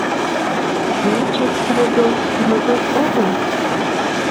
Значит, Розов — Розов огыл?